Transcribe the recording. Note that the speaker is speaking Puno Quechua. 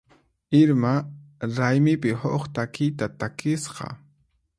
Irma raymipi huk takiyta takisqa.